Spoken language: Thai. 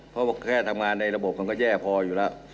เพราะแค่ทำงานในระบบมันก็แย่พออยู่แล้ว